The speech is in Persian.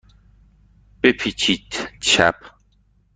بپیچید چپ.